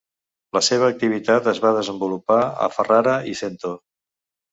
La seva activitat es va desenvolupar a Ferrara i Cento.